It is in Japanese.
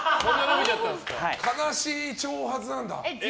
悲しい長髪なんだ。